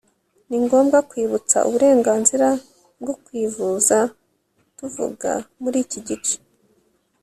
ni ngombwa kwibutsa uburenganzira bwo kwivuza tuvuga muri iki gice